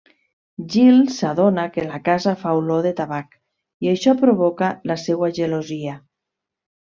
Gil s'adona que la casa fa olor de tabac, i això provoca la seua gelosia.